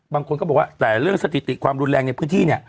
บางคนก็บอกว่าแต่เรื่องสถิติความรุนแรงในพื้นที่เนี่ย